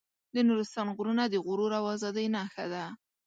د نورستان غرونه د غرور او ازادۍ نښه ده.